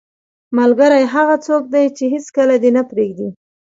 ملګری هغه څوک دی چې هیڅکله دې نه پرېږدي.